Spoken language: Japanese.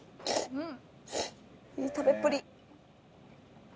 うん！